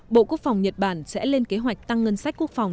bộ quốc phòng nhật bản sẽ lên kế hoạch tăng ngân sách quốc phòng